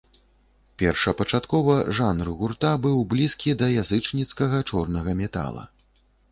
Першапачаткова жанр гурта быў блізкі да язычніцкага чорнага метала.